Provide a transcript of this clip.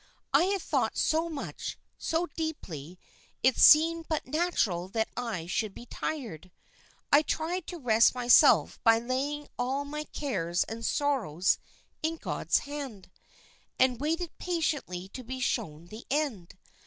I had thought so much, so deeply, it seemed but natural that I should be tired. I tried to rest myself by laying all my cares and sorrows in God's hand, and waiting patiently to be shown the end.